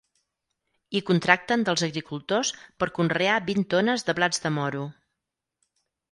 Hi contracten dels agricultors per conrear vint tones de blats de moro.